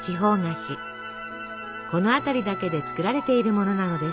この辺りだけで作られているものなのです。